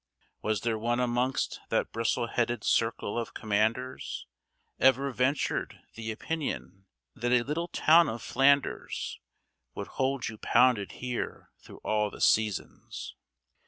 Was there one amongst that bristle headed circle of commanders Ever ventured the opinion that a little town of Flanders Would hold you pounded here through all the seasons?